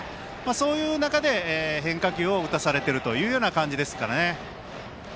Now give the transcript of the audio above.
そういう中で、変化球を打たされている感じですかね。